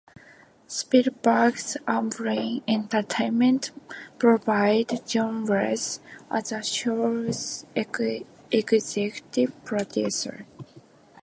Spielberg's Amblin Entertainment provided John Wells as the show's executive producer.